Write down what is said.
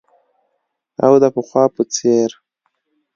او د پخوا په څیر